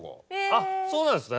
あっそうなんですね。